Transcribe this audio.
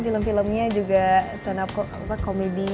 film filmnya juga stand up komedi